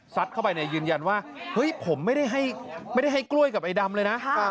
เข้าไปเนี่ยยืนยันว่าเฮ้ยผมไม่ได้ให้กล้วยกับไอ้ดำเลยนะ